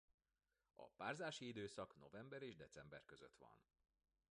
A párzási időszak november és december között van.